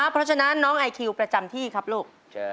ไปลูก